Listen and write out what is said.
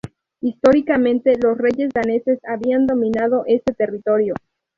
Históricamente, los reyes daneses habían dominado ese territorio.